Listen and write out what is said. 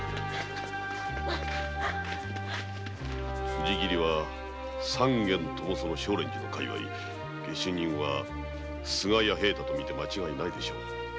つじ切りは三件ともその祥蓮寺の界わい下手人は須賀弥平太と見て間違いないでしょう。